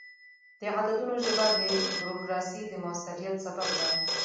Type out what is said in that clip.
د عددونو ژبه د بروکراسي د موثریت سبب ده.